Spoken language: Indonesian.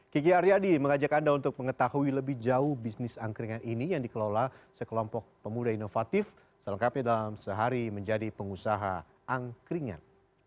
kiki aryadi mengajak anda untuk mengetahui lebih jauh bisnis angkringan ini yang dikelola sekelompok pemuda inovatif selengkapnya dalam sehari menjadi pengusaha angkringan